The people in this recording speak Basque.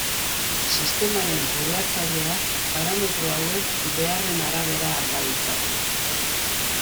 Sistemaren kudeatzaileak parametro hauek beharren arabera alda ditzake.